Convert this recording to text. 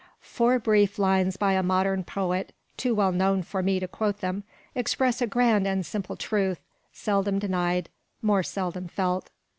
Four brief lines by a modern poet, too well known for me to quote them, express a grand and simple truth, seldom denied, more seldom felt.